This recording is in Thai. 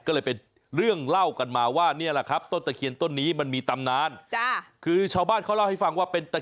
ก็เลยเป็นเรื่องเล่ากันมาว่านี่แหละครับต้นตะเคียนต้นนี้มันมีตำนาน